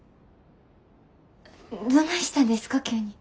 どないしたんですか急に。